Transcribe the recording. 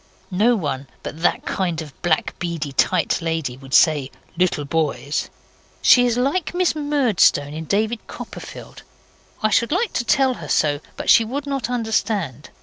No one but that kind of black beady tight lady would say 'little boys'. She is like Miss Murdstone in David Copperfield. I should like to tell her so; but she would not understand.